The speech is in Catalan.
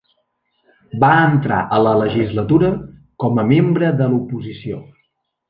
Va entrar a la legislatura com a membre de l'oposició.